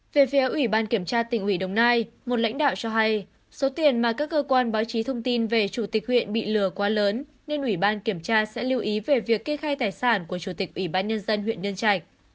về phía ủy ban kiểm tra tỉnh ủy đồng nai một lãnh đạo cho hay số tiền mà các cơ quan báo chí thông tin về chủ tịch huyện bị lừa quá lớn nên ủy ban kiểm tra sẽ lưu ý về việc kê khai tài sản của chủ tịch ủy ban nhân dân huyện nhân trạch